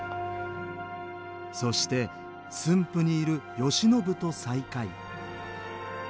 そして駿府にいる慶喜と再会。